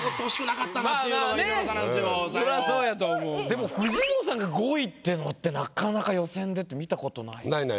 でも藤本さんが５位っていうのってなかなか予選でって見たことない。